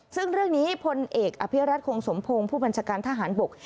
ซึ่งเรื่องนี้พลเอกอภิรัตคงสมพงศ์ผู้บัญชาการทหารบก